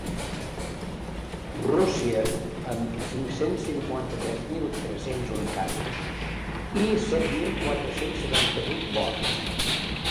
Rússia, amb cinc-cents cinquanta-tres mil tres-cents un casos i set mil quatre-cents setanta-vuit morts.